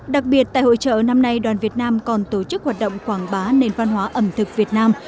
đặc biệt tại hội trợ năm nay đoàn việt nam còn tổ chức hoạt động quảng bá nền văn hóa ẩm thực việt nam